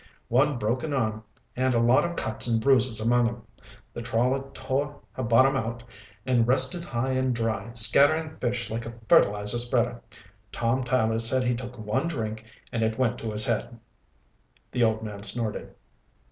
One broken arm and a lot of cuts and bruises among 'em. The trawler tore her bottom out and rested high and dry, scattering fish like a fertilizer spreader. Tom Tyler said he took one drink and it went to his head." The old man snorted.